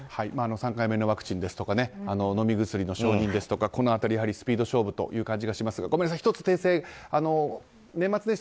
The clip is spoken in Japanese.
３回目のワクチンですとか飲み薬の承認とこの辺り、やはりスピード勝負という気がしますが１つ訂正があります。